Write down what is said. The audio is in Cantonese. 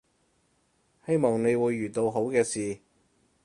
希望你會遇到好嘅事